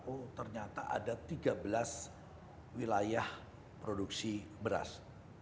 oh ternyata ada tiga belas wilayah produksi beras